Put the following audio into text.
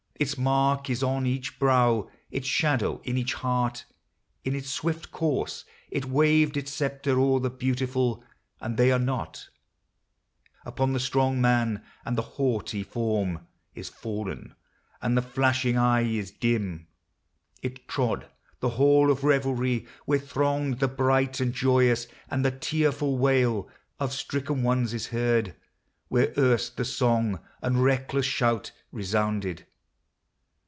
Its mark is on each brow, Its shadow in each heart. In its swift course It waved its sceptre o'er the beautiful, And they are not. It laid its pallid hand Upon the strong man, and the haughty form Is fallen, and the flashing eye is dim. It trod the hall of revelry, where thronged The bright and joyous, and the tearful wail Of stricken ones is heard where erst the song And reckless shout resounded.